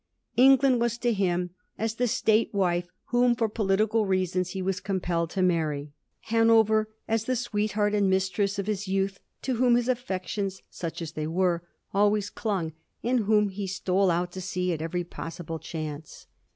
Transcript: England was to him as the State wife whom for political reasons he was compelled to marry ; Hanover, as the sweetheart and mistress of his youth, to whom his affections, such as they were, always clung, and whom he stole out to see at every possible chance.